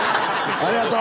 ありがとう。